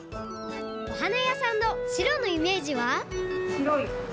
おはなやさんの白のイメージは？